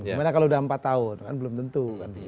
gimana kalau sudah empat tahun kan belum tentu